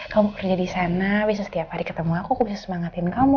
kamu kerja di sana bisa setiap hari ketemu aku aku bisa semangatin kamu